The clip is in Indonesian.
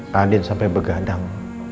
radin sampai bergadang